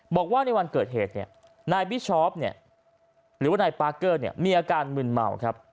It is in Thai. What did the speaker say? บอกว่าในวันเกิดเหตุเนี่ยนายบิ๊กชอบหรือว่านายปาร์เกอร์มีอาการมืนเมาครับ